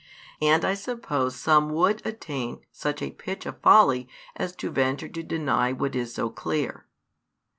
And I suppose some would attain such a pitch of folly as to venture to deny what is so clear.